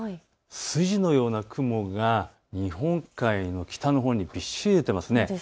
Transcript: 筋のような雲が日本海の北のほうにびっしり出ています。